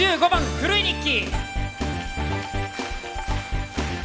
「古い日記」。